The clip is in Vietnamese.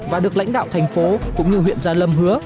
và được lãnh đạo thành phố cũng như huyện gia lâm hứa